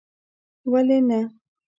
ولي نه